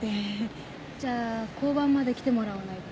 じゃあ交番まで来てもらわないと。